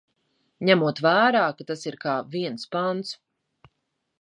Ņemot vērā, ka tas ir kā viens pants.